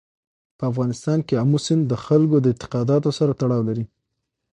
په افغانستان کې آمو سیند د خلکو د اعتقاداتو سره تړاو لري.